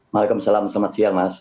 waalaikumsalam selamat siang mas